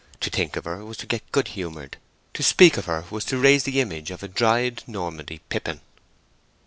To think of her was to get good humoured; to speak of her was to raise the image of a dried Normandy pippin.